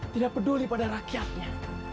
tidak peduli pada rakyatnya